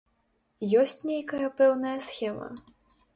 Ёсць нейкая пэўная схема?